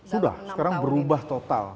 sudah sekarang berubah total